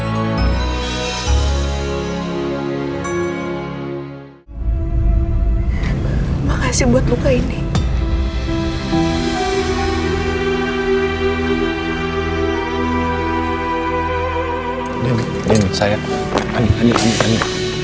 terima kasih buat luka ini